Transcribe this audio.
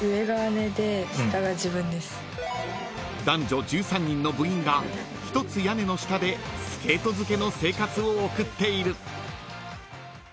［男女１３人の部員が一つ屋根の下でスケート漬けの生活を送っている］